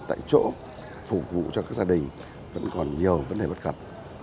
tại chỗ phục vụ cho các gia đình vẫn còn nhiều vấn đề bất cập